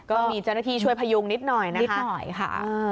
ก็มีเจ้าหน้าที่ช่วยพยุงนิดหน่อยนะนิดหน่อยค่ะ